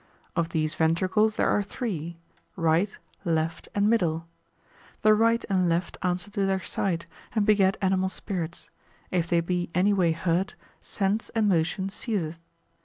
Of these ventricles there are three—right, left, and middle. The right and left answer to their site, and beget animal spirits; if they be any way hurt, sense and motion ceaseth.